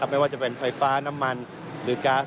ไม่ว่าจะเป็นไฟฟ้าน้ำมันหรือก๊าซ